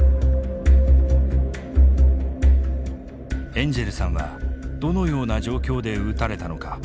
エンジェルさんはどのような状況で撃たれたのか。